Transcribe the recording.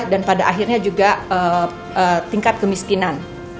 dan pada akhirnya juga tingkat kemiskinan